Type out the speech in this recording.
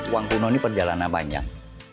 uang kuno ini perjalanan panjang